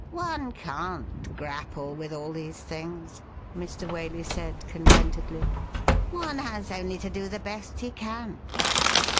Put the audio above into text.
'One can't grapple with all these things,' Mr. Waley said contentedly. ' One has only to do the best he can.'